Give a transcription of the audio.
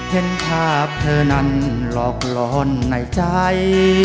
เห็นภาพเธอนั้นหลอกลอนในใจ